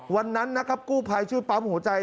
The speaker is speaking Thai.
วันนั้นนะครับกู้ภัยช่วยปั๊มหัวใจ